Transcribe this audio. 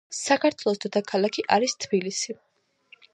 საქართველოს დედაქალაქი არის თბილისი